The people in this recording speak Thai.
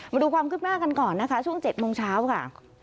มาดูความคืบหน้ากันก่อนนะคะช่วง๗โมงเช้าค่ะ